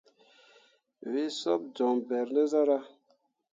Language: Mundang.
Wǝ suɓu joŋ beere te zarah.